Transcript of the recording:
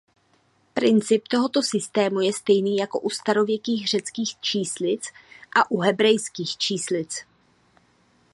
Princip tohoto systému je stejný jako u starověkých řeckých číslic a u hebrejských číslic.